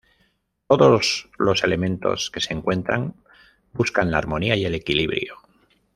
Todos los elementos que se encuentran buscan la armonía y el equilibrio.